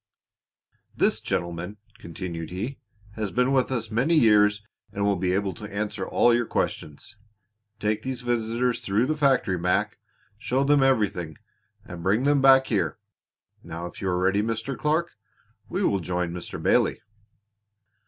"This gentleman," continued he, "has been with us many years and will be able to answer all your questions. Take these visitors through the factory, Mac, show them everything, and bring them back here. Now if you are ready, Mr. Clark, we will join Mr. Bailey."